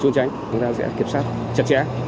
chúng ta sẽ kiểm soát chặt chẽ